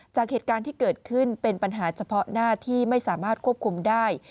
จากเหตุการณ์ที่เกิดขึ้นเป็นปัญหาเฉพาะหน้าที่ไม่สามารถควบคุมได้